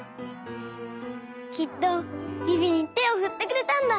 きっとビビにてをふってくれたんだ！